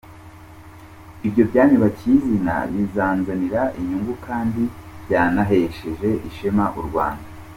Ibyo byanyubakiye izina binanzanira inyungu kandi byanahesheje ishema u Rwanda.